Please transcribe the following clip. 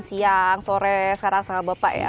siang sore sekarang sama bapak ya